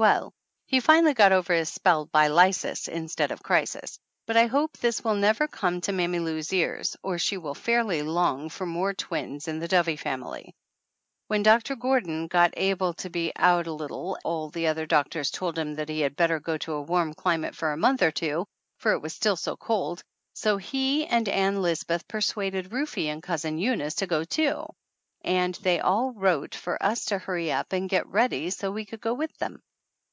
Well, he finally got over his spell by "lysis" instead of "crisis," but I hope this will never come to Mammy Lou's ears, or she will fairly long for more twins in the Dovie family. When Doctor Gordon got able to be out a little all the other doctors told him that he had better go to a warm climate for a month or two, for it was still so cold, so he and Ann Lisbeth persuaded Rufe and Cousin Eunice to go too, and they all wrote for us to hurry up and get ready so we could go with them.